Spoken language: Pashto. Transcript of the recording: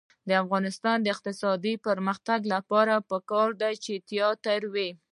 د افغانستان د اقتصادي پرمختګ لپاره پکار ده چې تیاتر وي.